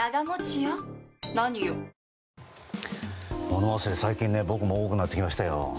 物忘れ、最近僕も多くなってきましたよ。